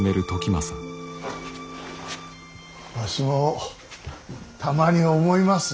わしもたまに思います。